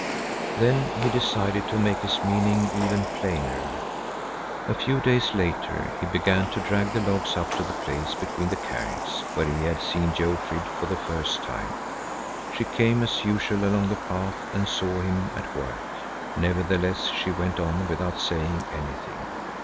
Then he decided to make his meaning even plainer. A few days later he began to drag the logs up to the place between the cairns, where he had seen Jofrid for the first time. She came as usual along the path and saw him at work. Nevertheless she went on without saying anything.